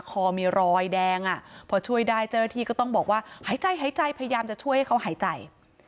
คอมีรอยแดงอ่ะพอช่วยได้เจ้าหน้าที่ก็ต้องบอกว่าหายใจหายใจพยายามจะช่วยให้เขาหายใจ